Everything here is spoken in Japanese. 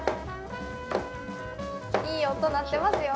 いい音鳴ってますよ。